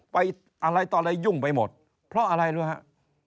ไปอะไรต่อเลยยุ่งไปหมดเพราะอะไรรู้ไหมฮะ